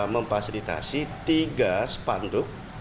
memfasilitasi tiga spanduk